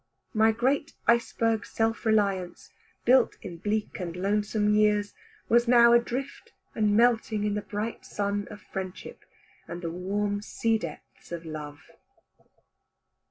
My great iceberg self reliance, built in bleak and lonesome years, was now adrift and melting in the bright sun of friendship and the warm sea depths of love.